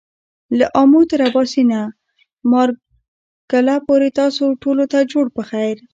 له آمو تر آباسينه ، مارګله پورې تاسو ټولو ته جوړ پخير !